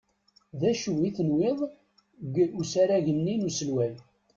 D acu i tenwiḍ g usarag-nni n uselway?